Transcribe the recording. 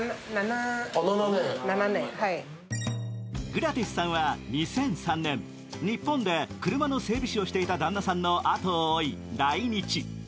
グラティスさんは２００３年日本で車の整備士をしていた旦那さんのあとを追い来日。